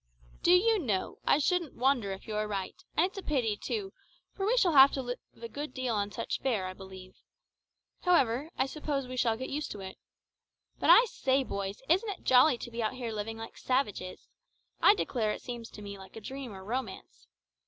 "Do you know, I shouldn't wonder if you were right; and it's a pity, too, for we shall have to live a good deal on such fare, I believe. However, I suppose we shall get used to it. But I say, boys, isn't it jolly to be out here living like savages? I declare it seems to me like a dream or a romance.